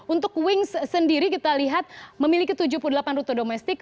untuk wings sendiri kita lihat memiliki tujuh puluh delapan rute domestik